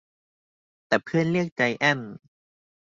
แต่เพื่อนเรียกไจแอนท์